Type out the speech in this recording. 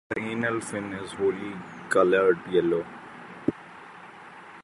The anal fin is wholly coloured yellow.